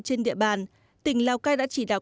trên địa bàn tỉnh lao cai đã chỉ đạo